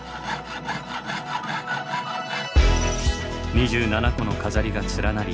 ２７個の飾りが連なり